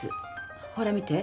ほら見て。